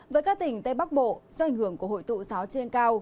với các tỉnh tây bắc bộ do ảnh hưởng của hội tụ gió trên cao